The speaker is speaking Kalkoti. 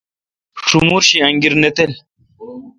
شمور شی انگیر نہ تل۔